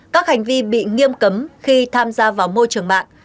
các hành vi bị nghiêm cấm khi tham gia vào môi trường mạng